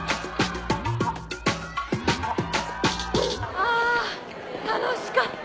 あ楽しかった！